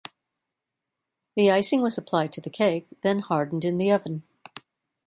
The icing was applied to the cake then hardened in the oven.